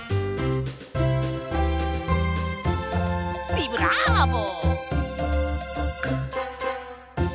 ビブラーボ！